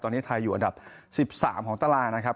ตอนนี้ไทยอยู่อันดับ๑๓ของตารางนะครับ